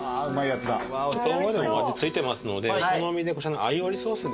そのままでも味付いてますのでお好みでアイオリソースですね